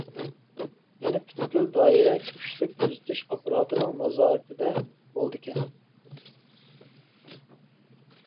يەنە پۈتكۈل دائىرە كۈچلۈك كۆزىتىش ئاپپاراتىنىڭ نازارىتىدە بولىدىكەن.